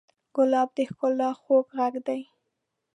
ګلاب د ښکلا خوږ غږ دی.